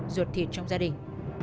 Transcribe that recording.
ruột thịt trong gia đình